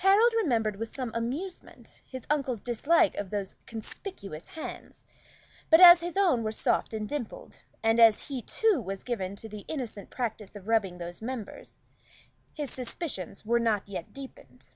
Harold remembered with some amusement his uncle's dislike of those conspicuous hands; but as his own were soft and dimpled, and as he too was given to the innocent practice of rubbing those members, his suspicions were not yet deepened.